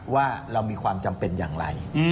ว่าเรามีความจำเป็นอย่างไร